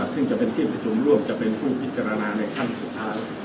ซึ่งจะเป็นที่ประชุมร่วมจะเป็นผู้พิจารณาในขั้นสุดท้าย